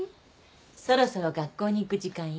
そろそろ学校に行く時間よ。